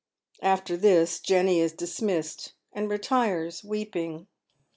" After this, Jenny is dismissed, and retires weeping.